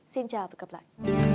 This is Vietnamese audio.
xin chào và gặp lại